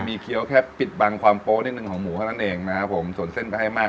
มีเคี้ยวแค่ปิดบังความโป๊นิดนึงของหมูเท่านั้นเองนะครับผมส่วนเส้นก็ให้มาก